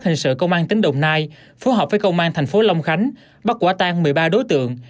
hình sự công an tỉnh đồng nai phối hợp với công an thành phố long khánh bắt quả tan một mươi ba đối tượng